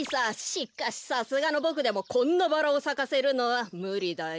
しかしさすがのボクでもこんなバラをさかせるのはむりだよ。